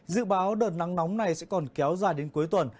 dự báo đợt nắng nóng này sẽ còn kéo dài đến cuối tuần